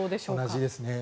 同じですね。